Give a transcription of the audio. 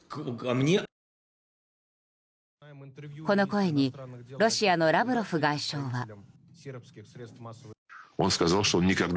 この声にロシアのラブロフ外相は。